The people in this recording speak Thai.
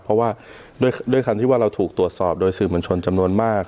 เพราะว่าด้วยคันที่ว่าเราถูกตรวจสอบโดยสื่อมวลชนจำนวนมาก